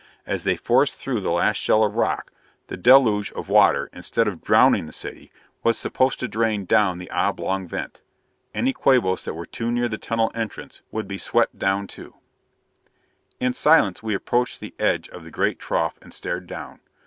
As they forced through the last shell of rock, the deluge of water, instead of drowning the city, was supposed to drain down the oblong vent. Any Quabos that were too near the tunnel entrance would be swept down too. In silence we approached the edge of the great trough and stared down.